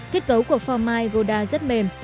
kết cấu của phò mai gouda rất mềm